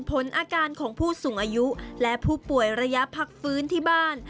ผลอาการของผู้สูงอายุและผู้ป่วยระยะพักฟื้นที่บ้าน